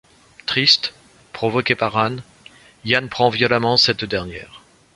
Triste, provoqué par Ann, Ian prend violemment cette dernière.